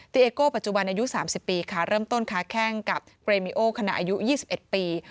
เอโก้ปัจจุบันอายุ๓๐ปีค่ะเริ่มต้นค้าแข้งกับเปรมิโอขณะอายุ๒๑ปี